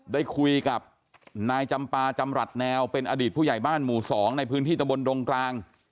ได้คุยกับนายจำปาจำรัฐแนวเป็นอดีตผู้ใหญ่บ้านหมู่๒ในพื้นที่ตะบนดงกลาง